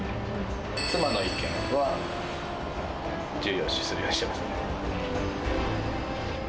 妻の意見は、重要視するようにしてますね。